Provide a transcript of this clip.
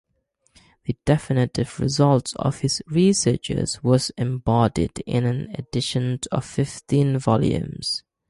The definitive result of his researches was embodied in an edition of fifteen volumes.